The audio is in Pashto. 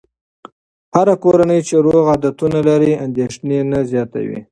هره کورنۍ چې روغ عادتونه لري، اندېښنې نه زیاتوي.